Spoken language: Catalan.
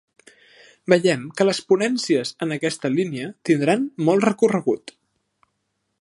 Veiem que les ponències en aquesta línia tindran molt recorregut.